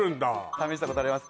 試したことあります